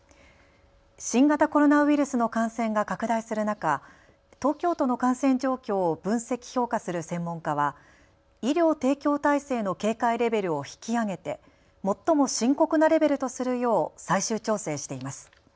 新型コロナウイルスの感染が拡大する中、東京都の感染状況を分析・評価する専門家は医療提供体制の警戒レベルを引き上げて最も深刻なレベルとするよう最終調整しています。